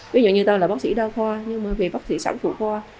ví dụ như tôi là bác sĩ đa khoa nhưng mà vì bác sĩ sẵn phụ khoa